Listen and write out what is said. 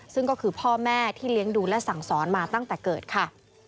ซึ่งก็คือพ่อแม่ที่เลี้ยงดูและสั่งสอนมาตั้งแต่เกิดค่ะ